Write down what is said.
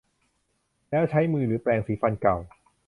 แล้วใช้มือหรือแปรงสีฟันเก่า